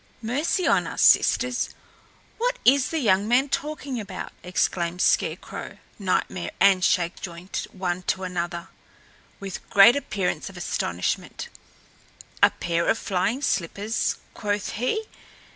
"Mercy on us, sisters! what is the young man talking about?" exclaimed Scarecrow, Nightmare and Shakejoint, one to another, with great appearance of astonishment. "A pair of flying slippers, quoth he!